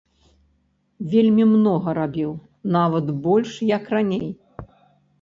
Вельмі многа рабіў, нават больш як раней.